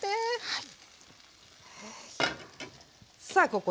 はい。